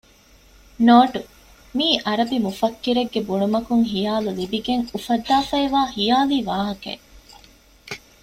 ނޯޓު މިއީ އަރަބި މުފައްކިރެއްގެ ބުނުމަކުން ޚިޔާލު ލިބިގެން އުފައްދައިފައިވާ ޚިޔާލީ ވާހަކައެއް